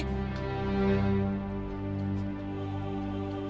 kamu lebih sayang sama harta kamu daripada diri kamu sendiri